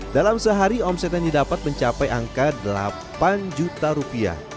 dalam sehari omsetnya didapat mencapai angka delapan juta rupiah